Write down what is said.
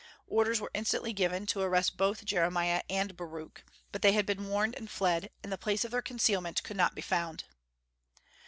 Orders were instantly given to arrest both Jeremiah and Baruch; but they had been warned and fled, and the place of their concealment could not be found.